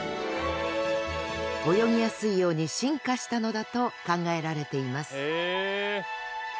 泳ぎやすいように進化したのだと考えられています